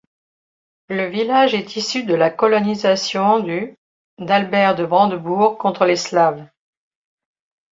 Le village est issu de la colonisation du d'Albert de Brandebourg contre les Slaves.